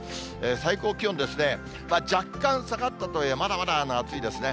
最高気温ですね、若干下がったとはいえ、まだまだ暑いですね。